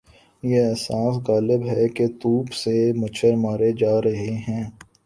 یہ احساس غالب ہے کہ توپ سے مچھر مارے جا رہے ہیں۔